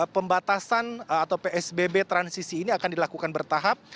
pembatasan atau psbb transisi ini akan dilakukan bertahap